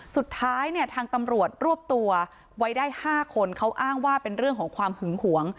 สุดท้ายเนี่ยทางตำรวจรวบตัวไว้ได้๕คนเขาอ้างว่าเป็นเรื่องของความหึงหวง